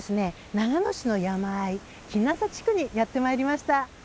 長野市の山あい鬼無里地区にやって参りました。